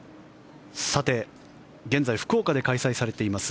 現在、福岡で開催されています